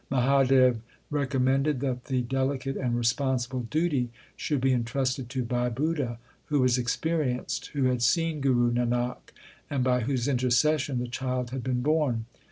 Mahadev recom mended that the delicate and responsible duty should be entrusted to Bhai Budha, who was ex perienced, who had seen Guru Nanak, and by whose intercession the child had been born.